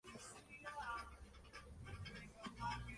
Ambos álbumes están titulados como películas de los hermanos Marx.